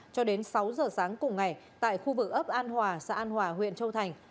cho đến sáu giờ sáng cùng ngày tại khu vực ấp an hòa xã an hòa huyện châu thành